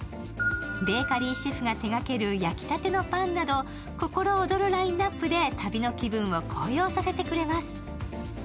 ベーカリーシェフが手がける焼きたてのパンなど心躍るラインナップで旅の気分を高揚させてくれます。